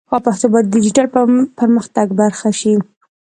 پښتو باید د ډیجیټل پرمختګ برخه شي.